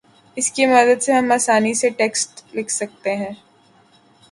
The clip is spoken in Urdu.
اس کی مدد سے ہم آسانی سے ٹیکسٹ لکھ سکتے ہیں